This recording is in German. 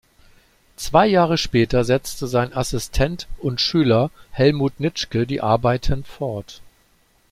Zwei Jahre später setzte sein Assistent und Schüler Helmut Nitzschke die Arbeiten fort.